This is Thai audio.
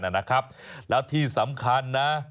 เหมือนกันนะครับแล้วที่สำคัญนะ